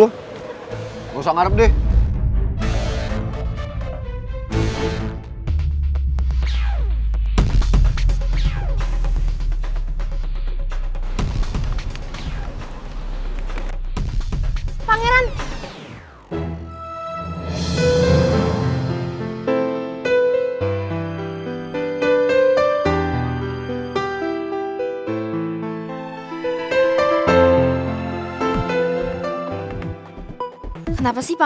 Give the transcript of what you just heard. lepas ini credentialnya siapaan